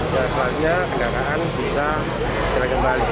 dan setelahnya kendaraan bisa kembali